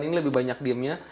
ini lebih banyak diemnya